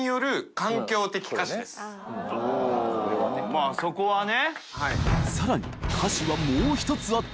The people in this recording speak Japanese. まぁそこはね。